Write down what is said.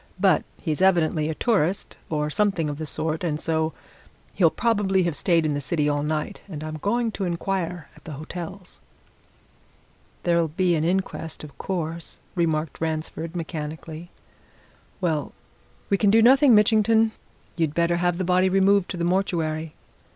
But he's evidently a tourist, or something of the sort, and so he'll probably have stayed in the city all night, and I'm going to inquire at the hotels." "There'll be an inquest, of course," remarked Ransford mechanically. "Well we can do nothing, Mitchington. You'd better have the body removed to the mortuary."